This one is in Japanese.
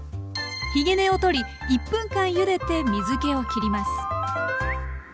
ひげ根を取り１分間ゆでて水けをきります。